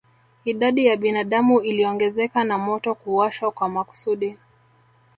Idadi ya binadamu iliongezeka na moto kuwashwa kwa makusudi